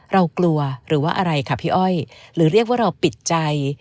เรากลัวหรือว่าอะไรค่ะพี่อ้อยหรือเรียกว่าเราปิดใจ